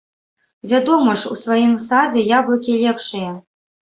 Вядома ж, у сваім садзе яблыкі лепшыя.